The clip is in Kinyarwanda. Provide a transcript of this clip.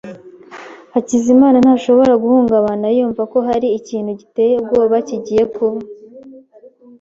Hakizimana ntashobora guhungabana yumva ko hari ikintu giteye ubwoba kigiye kuba.